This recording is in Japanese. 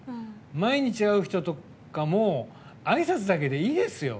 毎日会う人とかもうあいさつだけでいいですよ。